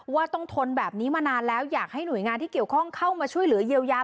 ว่าต้องทนแบบนี้มานานแล้วอยากให้หน่วยงานที่เกี่ยวข้องเข้ามาช่วยเหลือเยียวยา